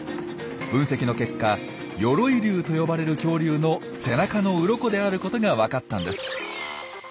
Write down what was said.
分析の結果鎧竜と呼ばれる恐竜の背中のウロコであることがわかったんです。